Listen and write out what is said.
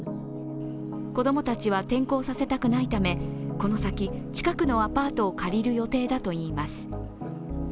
子供たちは転校させたくないため、この先、近くのアパートを借りる予定だといいます。